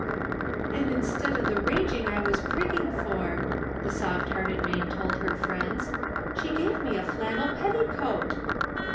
"And instead o' the raging I was prigging for," the soft hearted maid told her friends, "she gave me a flannel petticoat!"